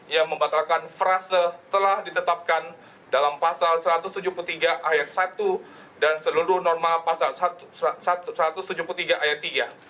yang membatalkan frase telah ditetapkan dalam pasal satu ratus tujuh puluh tiga ayat satu dan seluruh norma pasal satu ratus tujuh puluh tiga ayat tiga